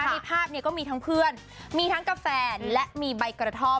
ในภาพก็มีทั้งเพื่อนมีทั้งกาแฟและมีใบกระท่อม